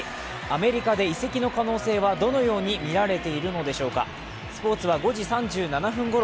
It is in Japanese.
アメリカで移籍の可能性はどのようにみられているのでしょうか。